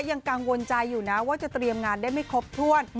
ยังกังวลใจอยู่นะว่าจะเตรียมงานได้ไม่ครบถ้วน